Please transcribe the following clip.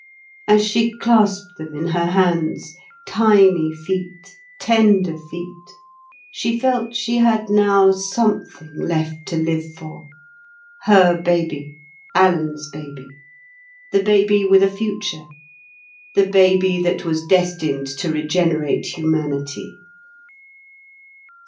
As she clasped them in her hands—tiny feet, tender feet—she felt she had now something left to live for—her baby, Alan's baby, the baby with a future, the baby that was destined to regenerate humanity.